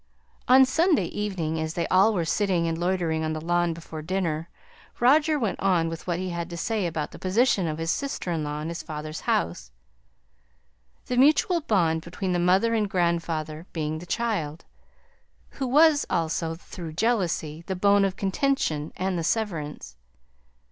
On the Sunday evening, as they all were sitting and loitering on the lawn before dinner, Roger went on with what he had to say about the position of his sister in law in his father's house: the mutual bond between the mother and grandfather being the child; who was also, through jealousy, the bone of contention and the severance.